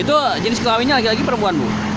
itu jenis kelaminnya lagi lagi perempuan bu